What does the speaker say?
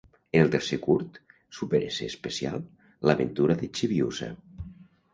En el tercer curt, SuperS especial: l'aventura de Chibiusa.